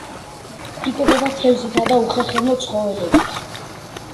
იკვებება თევზითა და უხერხემლო ცხოველებით.